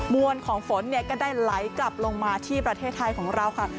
วนของฝนก็ได้ไหลกลับลงมาที่ประเทศไทยของเราค่ะ